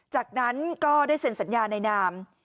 จากนั้นก็ได้เซ็นสัญญาในนาม